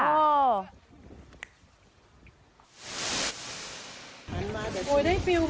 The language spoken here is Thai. โอ้โฮได้ฟิล์มมากเลยสมัย๒๐ปีนี่แล้ว